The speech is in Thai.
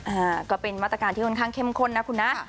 อ่าก็เป็นมาตรการที่ค่อนข้างเข้มข้นนะคุณนะ